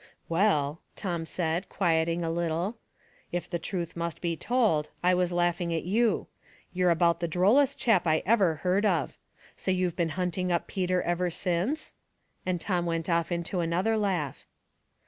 " Well," Tom said, quieting a little, " if the 66 Household Puzzles, truth must be told, I was laughing at you. You're about the drollest chap I ever heard of. So you've been hunting up Peter ever since?" — and Tom went off into another laugh.